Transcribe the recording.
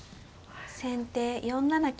先手４七金。